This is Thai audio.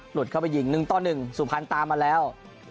หลุดเข้าไปยิง๑ต่อ๑สุพรรณตามมาแล้ว